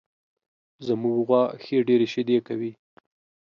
زمونږ غوا ښې ډېرې شیدې کوي